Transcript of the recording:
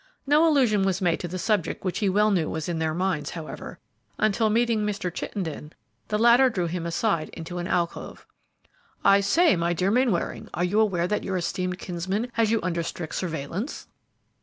No allusion was made to the subject which he well knew was in their minds, however, until, meeting Mr. Chittenden, the latter drew him aside into an alcove. "I say, my dear Mainwaring, are you aware that your esteemed kinsman has you under strict surveillance?"